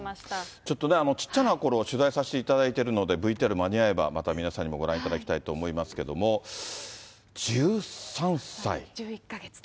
ちょっとね、ちっちゃなころ、取材させていただいているので、ＶＴＲ間に合えば、また皆さんにもご覧いただきたいと思いますけ１１か月と。